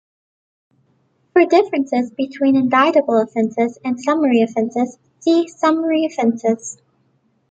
For differences between indictable offences and summary offences see summary offences.